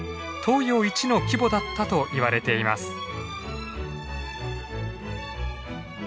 東洋一の規模だったといわれています。